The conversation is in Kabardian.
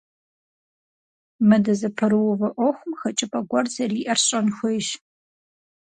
Мы дызыпэрыувэ Ӏуэхум хэкӀыпӀэ гуэр зэриӀэр сщӀэн хуейщ.